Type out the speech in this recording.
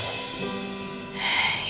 ibu andien juga adalah nafasnya